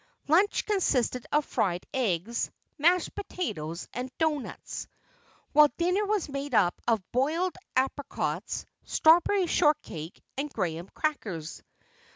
Lunch consisted of fried eggs, mashed potatoes, and doughnuts; while dinner was made up of broiled apricots, strawberry shortcake, and graham crackers.